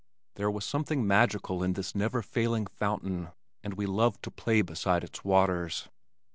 There was something magical in this never failing fountain, and we loved to play beside its waters.